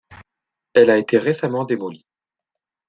Elle a été récemment démolie.